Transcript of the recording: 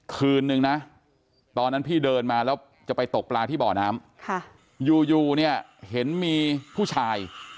คืนนึงนะตอนนั้นพี่เดินมาแล้วจะไปตกปลาที่บ่อน้ำอยู่เนี่ยเห็นมีผู้ชาย